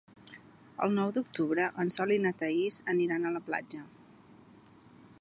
El nou d'octubre en Sol i na Thaís aniran a la platja.